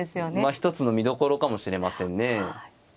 一つの見どころかもしれませんね。